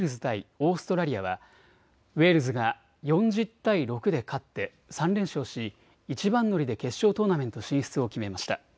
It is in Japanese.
オーストラリアはウェールズが４０対６で勝って３連勝し一番乗りで決勝トーナメント進出を決めました。